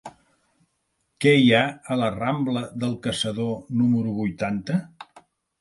Què hi ha a la rambla del Caçador número vuitanta?